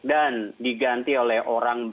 dan diganti oleh orang